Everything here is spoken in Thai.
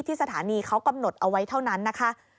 สถานีเขากำหนดเอาไว้เท่านั้นนะคะ